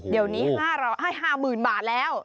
เดี๋ยวนี้ให้๕๐๐๐บาทแล้ว